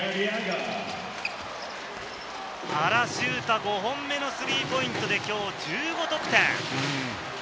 原修太、５本目のスリーポイントできょう１５得点！